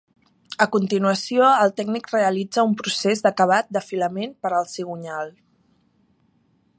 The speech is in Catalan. A continuació el tècnic realitza un procés d'acabat d'afilament per al cigonyal.